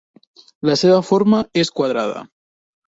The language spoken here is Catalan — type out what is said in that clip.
La seva forma és quadrada.